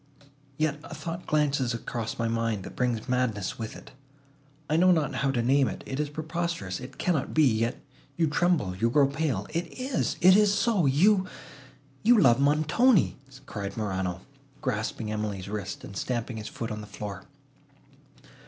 Yet a thought glances across my mind, that brings madness with it. I know not how to name it. It is preposterous—it cannot be.—Yet you tremble—you grow pale! It is! it is so;—you—you—love Montoni!" cried Morano, grasping Emily's wrist, and stamping his foot on the floor.